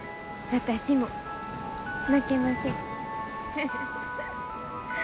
私も負けません。